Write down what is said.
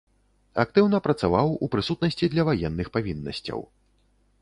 Актыўна працаваў у прысутнасці для ваенных павіннасцяў.